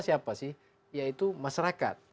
siapa sih yaitu masyarakat